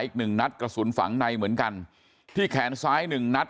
อีกหนึ่งนัดกระสุนฝังในเหมือนกันที่แขนซ้ายหนึ่งนัด